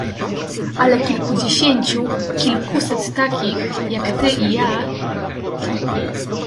"Ale kilkudziesięciu, kilkuset takich, jak ty i ja..."